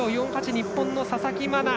日本の佐々木真菜